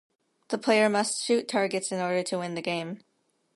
The player must shoot targets in order to win the game.